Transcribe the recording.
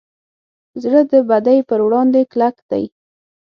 زړه د بدۍ پر وړاندې کلک دی.